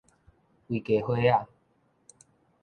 規家伙仔